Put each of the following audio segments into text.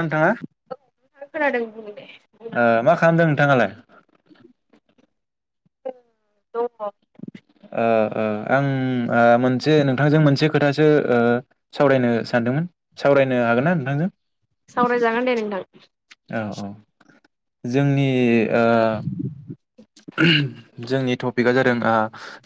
नोंथाङा ओ मा खालामदों नोंथाङालाय [inaudible] ओ ओ अं ओ मोनसे नोंथांजों मोनसे खोथासो ओ सावरायनो सानदोंमोन सावरायनो हागोन ना नोंथांजों। सावरायाइ जागोन‌ दे नोंथां। औ औ जोंनि ओ जोंनि टपिकआ जादों। आ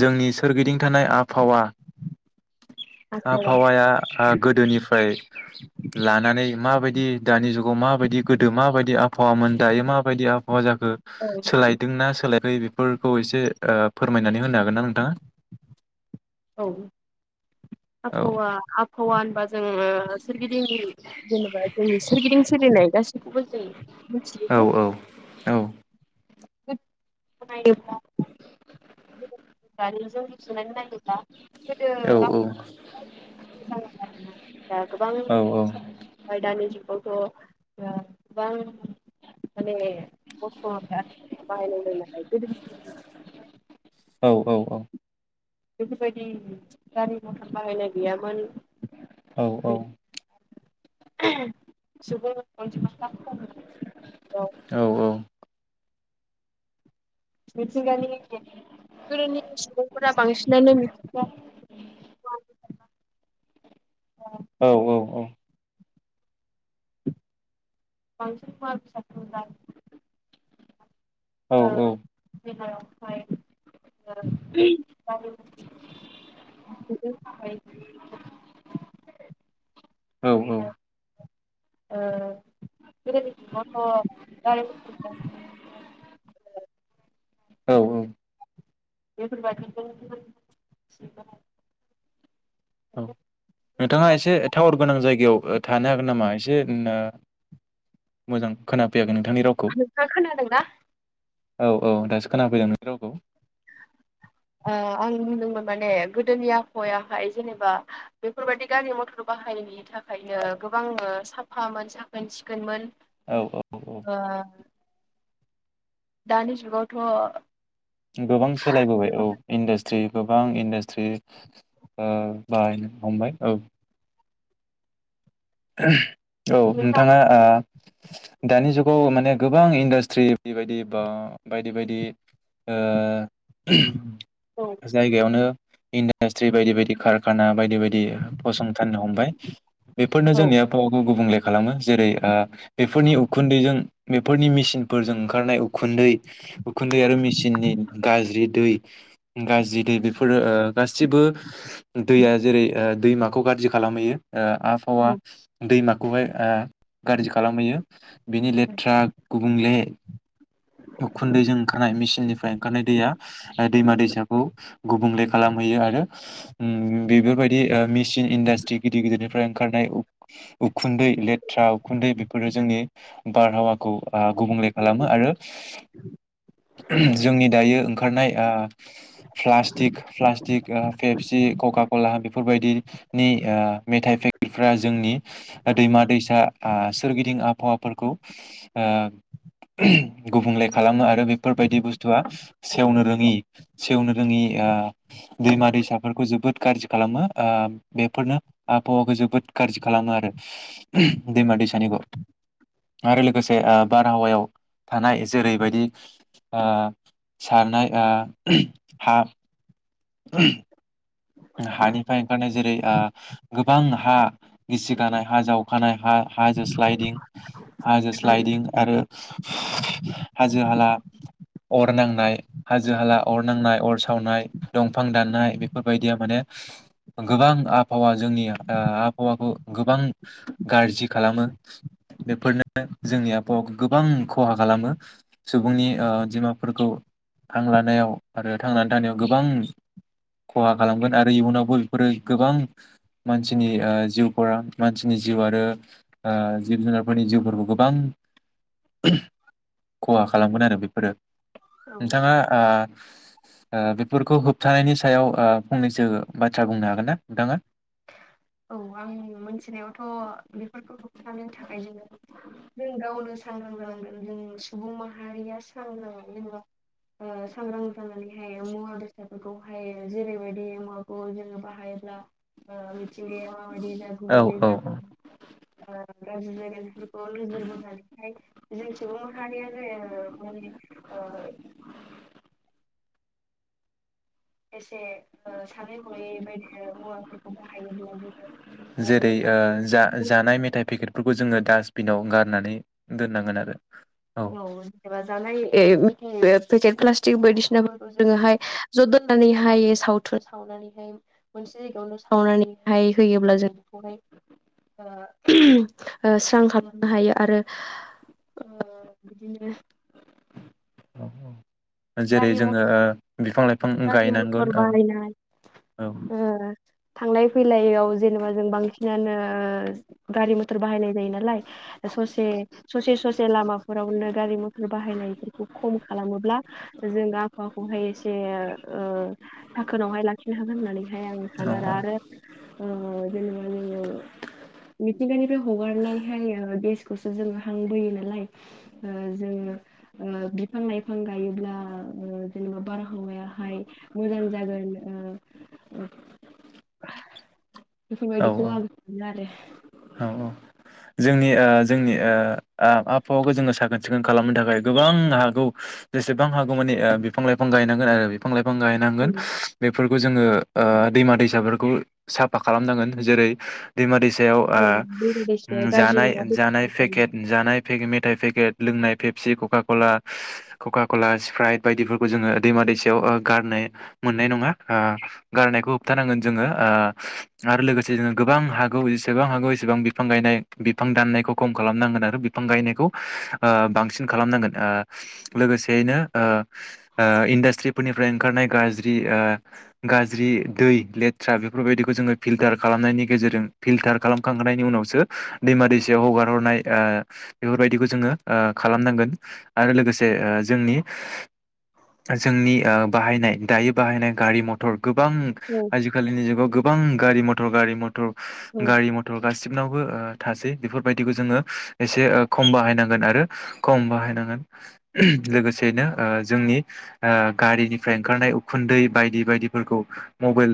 जोंनि सोरगिदिं थानाय आबहावा आबहावाया ओ गोदोनिफ्राय लानानै माबायदि दानि जुगाव माबायदि गोदो माबायदि आब आबावा मोन दायो मा बायदि आबहावा जों सोलायदोंना सोलाय बेफोरखौ एसे ओ फोरमायनानै होनो हागोन ना नोंथाङा औ औ आबहावा आबहावा होनबा जों सोरगिदिं जेनेबा जोंनि सोरगिदिं सोलिनाय गासैखौबो ओ औ औ औ [inaudible] [inaudible] दानि जीं रुजुना नायीब्ला। गीदी औ ज जालायना। दा गोबां औ औ आयदानि जुग। गथ' गोबां माने खस्थ' बाहायलायनो नालाय गोदो। औ औ औ। बेफोरबायदि गारि मथर बाहायनाय गैयामोन। औ औ। सुबुं मोन मथ [unintelligible] मिथिंगानि गोदोनि सुबुंफोरा बांसिनानो मिथिंगानि। मांसनमा साखा [unintelligible] औ। ओमफाय? [unintelligible] औ औ। ओ गीदीनि जुगावथ'। औ औ। बेफीर बायदिजीं [unintelligible] औ नोंथाङा एसे टावर गोनां जायगायाव थानो हागोन नामा? एसे ओ मोजां खोना नोंथां आं खोनादों ना? औ औ दासो खोनाफैदों नोंनि रावखौ। अ आं बुंदोंमोन माने गोदोनि आबहावायाहाय जेनेबा, बेफोरबायदि गारि मथर बाहायिनि थाखायनो गोबां साफामोन साखोन सिखोनमोन। औ औ औ। दानि जुगावथ' गोबां सोलायबोबाय औ इन्डास्ट्रि गोबां इनडास्ट्रि थ्रि बाहायनो हमबाय औ। [inaudible] औ नोंथाङा दानि जुग गाव माने गोबां इन्डास्ट्रि बायदि बा बायदि बायदि जायगायावनो इन्डासट्रि बायदि बायदि कारखाना बायदि बायदि फसंथाननो हमबाय। जोंनि [unintelligible] गुबुंले खालामो जेरैै ओ बेफोरनि उखुन्दैजों बेफोरनि मेसिनफोरजों ओंखारनाय उखुन्दै उखुन्दै आरो मेसिननि गाज्रि दै गाज्रि दै बेफोरो ओ गासिबो दैया जेरै दैमाखौ गारजि खालामहैयो हावा दैमा गुबै आ गाज्रि खालामहैयो बिनि लेथ्रा गुबुंले उखुन्दैजों ओंखारनाय मेसिननिफ्राय ओंखारनाय दैया दैमा दैसाखौ गुबुंले खालामहैयो आरो उम बेफोरबायदि मेसिन इन्डास्ट्रि गिदिर गिदिरनिफ्राइ गिदिरनिफ्राय ओं ओंखारनाय उखुन्दै लेथ्रा उखुन्दै बेफोरो जोंनि बारहावा खौ आ गुबुंले खालामो आरो जोंनि दायो नाय आ फ्लास्टि प्लास टिक पेपसि कका कला बेफोरबायदिनि आ मिथाइ पे फ्रा जोंनि दैमा दैसा आ सोरगिदिं आबहावाफोरखौ आ गुबुंले खालामो आरो बेफोरबायदि बुस्थुआ सेवनो रोङि सेवनो रोङि आ दैमा दैसाफोरखौ जोबोद गाज्रि खालामो आ बेफोरनो आबहावाखौ जो बोद गाज्रि खालामो आरो दैमा दैसानिखौ आरो लोगोसे आ बारहावायाव थानाय जेरैबायदि सारनाय आ हा [inaudible] हानिफ्राय ओंखारनाय आ जेरै गोबां हा गिसि गानाय हा जावखानाय हा हाजो स्लाइदिं हाजो स्लाइदिं आरो हाजो हाला अर नांनाय हाजो हाला अर नांनाय अर सावनाय दंफां दाननाय बेफोर बायदिया माने गोबां आबहावा जोंनि आबहावाखौ गोबां गारजि खालामो बेफोरनो आ जोंनि आबहावाखौ गोबां खहा खालामो सुबुंनि ओ अनजिमाफोरखौ हां लानायाव आरो थांनानै थानायाव गोबां खहा खालामगोन आरो इयुनावबो बेफोरो गोबां मानसिनि जिउफोरा मानसिनि जिउ आरो जिब जुनारफोरनि जिउफोरखौ गोबां खहा खालामगोन आरो बेफोरो। नोंथाङा आ ओ बेफोरखौ होबथानायनि सायाव आ फंनैसो बाथ्रा बुंनो हागोन ना नोंथाङा? औ आं मोनथिनायावथ' बेफोरखौ होबथानो थाखाय जोङो जों गावनो सांग्रां जानांगोन जों सुबुं माहारिया सांग्रां जेनेबा सांग्रां जानानैहाय मुवा बेसादफोरखौहाय जेरैबायदि मुवाखौ जोङो बाहायोब्ला मिथिंगाया माबायदि जा औ गुबुंले औ जाग औ [unintelligible] नोजोर बोनानैहाय जों सुबुं माहारियानो ओ एसे से सानै हनायै बायदि मुवाफोरखौ बाहायोब्ला जोङो जेरै ओ दासपिनाव गारनानै दोननांगोन आरो औ जबा जालाय [unintelligible] बायदिसिनाखौ जोङोहाय ज' दोननानैहाय सावनानैहाय मोनसे जायगायावनो सावनानैहाय होयोब्ला ओ सोंहाबनो हायो आरो ओ थिग बिदिनो औ जेरै गारि जोङो मथर ओ बिफां लाइफां गारि गायनांगोन मथर औ बाहायनाय औ ओ थांलाय फैलायाव जों जेनेबा बांसिनानो ओ गारि मथर बाहायनाय जायो नालाय ससे ससे ससे जे लामाफोरावनो गारि मटर बाहायनायफोरखौ खम खालामोब्ला जों आबहावाखौहाय एसे ओ साखोनावहाय लाखिनो‌ हागोन‌ होननानै हाय आं सानो आरो। औ आरो ओ जेनेबा जोङो मिथिंगानिफ्राय हगारनायहाय गेसखौसो जों हां बोयो नालाय ओ जोङो ओ बिफां लायफां गायोब्ला ओ ओ जेनेबा बारहावायावहाय मोजां जागोन ओ ओ औ बेफोरबायदिखौ आं मोनो आरो। औ औ औ जोंनि ओ जोंनि ओ ओ आबहाखौ साखोन सिखोन खालामनो थाखाय गोबां हागौ जेसेबां हागौ माने ओ बिफां लायफां गायनांगोन आरो बिफां गायनांगोन बे बेफोरखौ जोङो ओ दैमा दैसाफोरखौ साफा खालामनांगोन। जेरै दैमा दै सायाव ओ जानाय जानाय पेकेट जानाय पेकेट मेथाइ पेकेट लोंनाय पेबसि, कका कला, कका कला, सिफ्राइट बायदिफोरखौ जोङो दैमा दैसायाव ओ गारनो मोननाय नङा। ओ गारनायखौ होबथानांगोन जोङो। ओ आरो लोगोसे जोङो गोबां हागौ जेसेबां हागौ एसेबां बिफां गायनाय बिफां दाननायखौ खम खालामनांगोन आरो बिफां गायनायखौ ओ बांसिन खालामनांगोन। ओ लोगोसेनो ओ इन्डास्ट्रिफोरनिफ्राय ओंखारनाय गाज्रि ओ गाज्रि दै लेथ्रा बेफोरबायदिखौ जोङो पिलथार खालामनायनि गेजेरजों पिलथार खालामखांनायनि उनाव सो दैमा दैसायाव हगार हरनाय ओ बेफोरबायदिखौ जोङो ओ खालामनांगोन आरो लोगोसे ओ जोंनि जोंनि ओ बाहायनाय दायो बाहायनाय गारि मटर गोबां आजिखालिनि जुगाव गोबां गारि मटर गारि मटर गारि मटर गासि गोबांनावबो थासै बेफोर बादिखौ जोंङो एसे खम बाहायनांगोन आरो खम बाहायनांगोन। लोगोसेनो‌ ओ जोंनि ओ गारिनिफ्राय ओंखारनाय उखुन्दै बायदि बायदिफोरखौ मबेल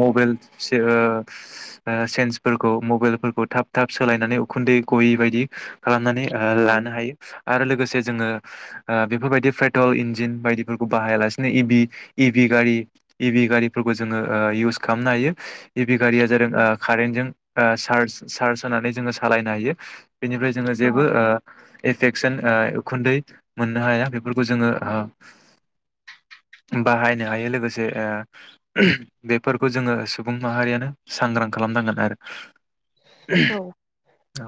मबेल ओ ओ सेन्सफोरखौ मबेलफो फोरखौ थाब थाब सोलायनानै उखुन्दै गयि बायदि खालामनानै ओ लानो हायो। आरो लोगोसे जोङो ओ बेफोरबायदिनिफ्रायथ' इन्जिन बायदिफोरखौ बाहाया लासिनो इ भि इ भि गारि इ भि गारिफोरखौ जोङो ओ इउस खालामनो हायो। बि गारिया जादों कारेनजों ओ चार्ज चार्ज होनानै जोङो सालायनो हायो। बेनिफ्राय जोङो जेबो ओ एफेकसन ओ उखुन्दै मोननो हाया बेफोरखौ जोङो ओ बाहायनो हायो लोगोसे ओ बेफोरखौ जोङो सुबुं माहारियानो सांग्रां खालामनांगोन आरो। औ। औ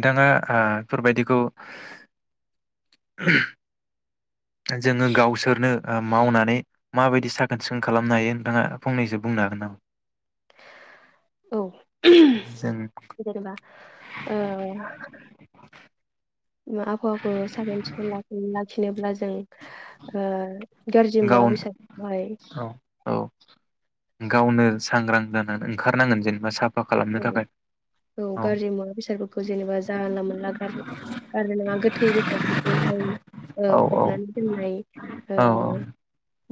नोंथाङा ओ बेफोरबायदिखौ जोङो गावसोरनो ओ मावनानै माबायदि साखोन सिखोन खालामनो हायो नोंथाङा फंनैसो बुंनो हागोन नामा? औ जों जेनेबा औ। आबहावाखौ साखोन सिखोन लाखिनोब्ला जों ओ गाज्रि मुवा गाव औ बेसादखौहाय औ गावनो सांग्रां जानानै ओंखारनांगोन जेनेबा सा औ औ गाज्रि मुवा बेसादफोरखौ जेनेबा जानला मोनला गार-गारनो नाङा गोथै बेसादफोरखौहाय औ फबनानै ओ दोननाय औ ओ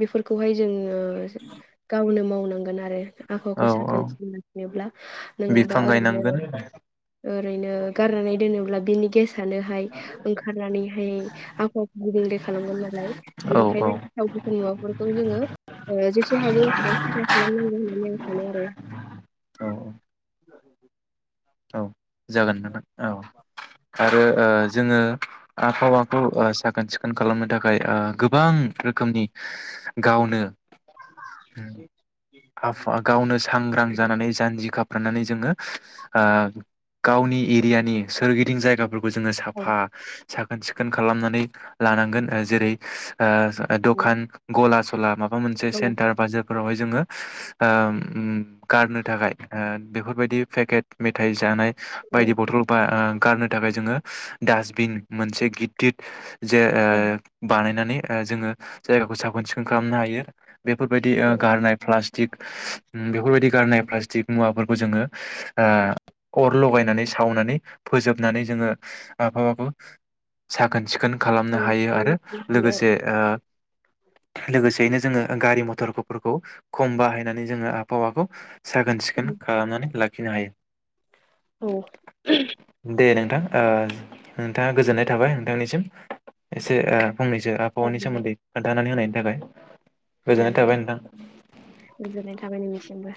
बेफोरखौहाय जोङो ओ गावनो माव नांगोन आ औ आबहावाखौ औ साखोन नुयोब्ला बिफां गायनांगोन ओरैनो गारनानै दोनोब्ला बिनि गेस सानोहाय ओंखारनानैहाय आबहावाखौ गुबुंले खालामगोन नालाय औ बेनिखायनो गेसाव गोथोन मुवाफोरखौ जोङो जेसे हागौ एसे साफा खालामनांगोन होननानै आं सानो आरो औ औ औ जागोन नामा औ आरो ओ जोङो आबहावाखौ ओ साखोन सिखोन खालामनो थाखाय ओ गोबां रोखोमनि गावनो आफ गावनो सा सांग्रां जानानै जानजि खाफ्रानानै जोङो ओ गावनि एरियानि सोरगिदिं जायगाफोर बो जोङो साफा साखोन सिखोन खालामनानै लानांगोन जेरै दखान गला सला माबा मोनसे सेन्टार बा जोब फोरावहाय जोङो ओ ओम गारनो थाखाय ओ बेफोरबायदि पेकेट मेथाइ जानाय बायदि बथल बा ओ गारनो थाखाय जोङो डासबिन मोनसे गिदिर जे ओ बानायनानै ओ जोङो जायगाखौ साखोन सिखोन खालामनो हायो बेफोरबायदि गारनाय प्लास टिक बेफोरबायदि गारनाय प्लास्टिक मुवाफोरखौ जोङो ओ अर लगायनानै सावनानै फोजोबनानै जोङो आबहाबाखौ साखोन सिखोन खालामनो हायो आरो लोगोसे ओ लोगोसेयैनो जोङो गारि मथरफोरखौ खम बाहायनानै जोङो आबहावाखौ साखोन सिखोन खालामनानै लाखि लाखिनो हायो दे‌ नों ओ नोंथां नोंथाङा गोजोननाय थाबाय नोंथांनिसिम एसे फंनैसो आबहावानि सोमोन्दै खोन्थानानै होनायनि [unintelligible] जागोन दे थाबाय नोंथां। गोजोननाय थाबाय नोंथांसिमबो